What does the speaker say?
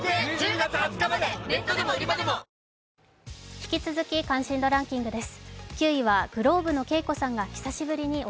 引き続き、関心度ランキングです。